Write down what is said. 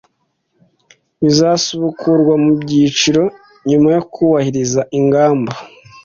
bizasubukurwa mu byiciro nyuma yo kubahiriza ingamba